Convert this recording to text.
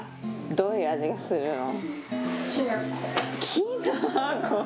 どういう味がするの？